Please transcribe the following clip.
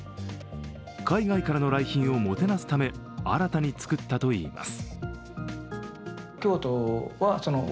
海外からの来賓をもてなすため、新たに造ったといいます。